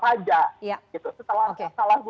setelah gugatan muncul izin izin yang baru